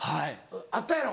あったやろ？